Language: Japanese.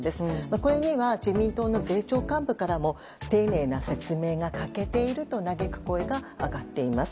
これには自民党の税調幹部からも丁寧な説明が欠けていると嘆く声が上がっています。